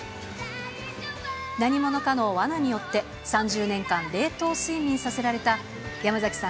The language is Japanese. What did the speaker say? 何者かの罠によって、３０年間、冷凍睡眠させられた山崎さん